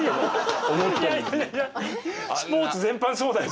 スポーツ全般そうだよ。